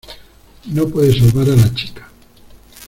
no puede salvar a la chica.